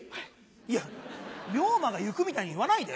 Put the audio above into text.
いや『竜馬がゆく』みたいに言わないで。